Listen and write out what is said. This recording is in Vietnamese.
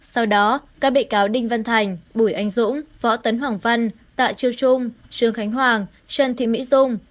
sau đó các bị cáo đinh văn thành bùi anh dũng võ tấn hoàng văn tạ chiêu trung trương khánh hoàng trần thị mỹ dung